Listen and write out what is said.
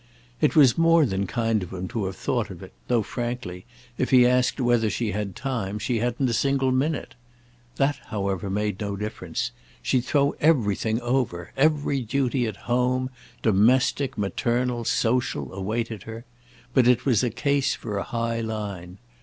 It was more than kind of him to have thought of it—though, frankly, if he asked whether she had time she hadn't a single minute. That however made no difference—she'd throw everything over. Every duty at home, domestic, maternal, social, awaited her; but it was a case for a high line.